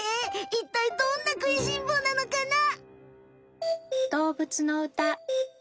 いったいどんな食いしん坊なのかな？